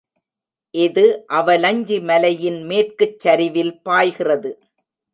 இது அவலஞ்சி மலையின் மேற்குச் சரிவில் பாய்கிறது.